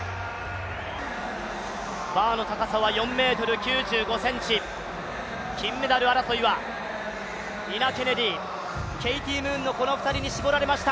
バーの高さは４ｍ９５ｃｍ、金メダル争いはニナ・ケネディ、ケイティ・ムーンのこの２人に絞られてきました。